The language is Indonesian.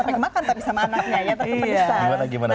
jangan sampai makan tapi sama anaknya ya terpedesan